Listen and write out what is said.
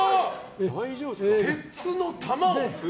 鉄の球を。